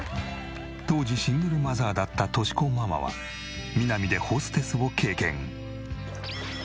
当時シングルマザーだった敏子ママはミナミでホステスを経験。